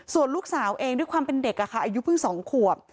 ส่วนลูกสาวเองด้วยความเป็นเด็กอายุเพิ่ง๒ขวบ